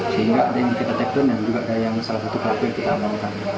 sehingga ada yang kita take down dan juga ada yang salah satu pelaku yang kita amankan